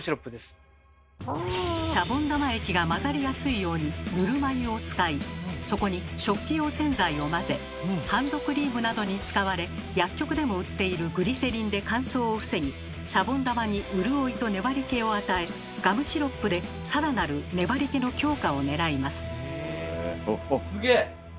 シャボン玉液が混ざりやすいようにぬるま湯を使いそこに食器用洗剤を混ぜハンドクリームなどに使われ薬局でも売っているグリセリンで乾燥を防ぎシャボン玉に潤いと粘りけを与えガムシロップで更なる粘りけの強化をねらいます。